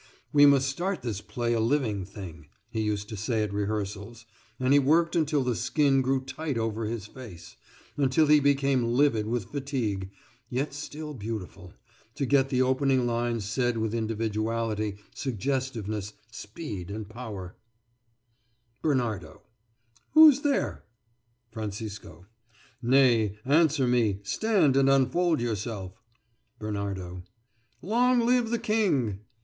"We must start this play a living thing," he used to say at rehearsals, and he worked until the skin grew tight over his face, until he became livid with fatigue, yet still beautiful, to get the opening lines said with individuality, suggestiveness, speed, and power: Bernardo: Who's there? Francisco: Nay, answer me: stand, and unfold yourself. Bernardo: Long live the king!